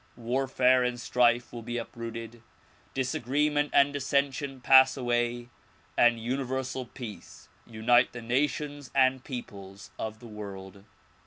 Warfare and strife will be uprooted, disagreement and dissension pass away and Universal Peace unite the nations and peoples of the world.